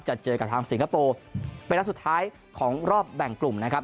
เจอกับทางสิงคโปร์เป็นนัดสุดท้ายของรอบแบ่งกลุ่มนะครับ